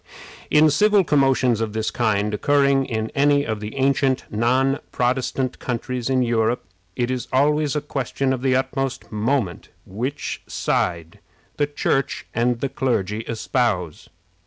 In civil commotions of this kind occurring in any of the ancient non Protestant countries in Europe, it is always a question of the utmost moment which side the Church and the clergy espouse.